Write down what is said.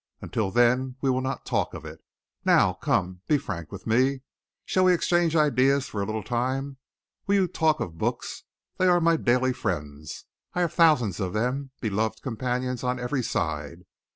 Until then we will not talk of it. Now come, be frank with me. Shall we exchange ideas for a little time? Will you talk of books? They are my daily friends. I have thousands of them, beloved companions on every side.